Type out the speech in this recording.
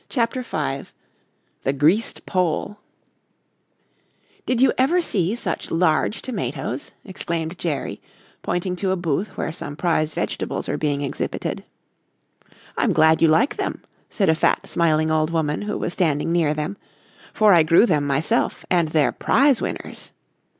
CHAPTER V THE GREASED POLE "Did you ever see such large tomatoes?" exclaimed Jerry, pointing to a booth where some prize vegetables were being exhibited. "I'm glad you like them," said a fat, smiling old woman who was standing near them, "for I grew them myself and they're prize winners."